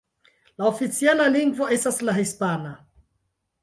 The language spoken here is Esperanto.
La oficiala lingvo estas la hispana.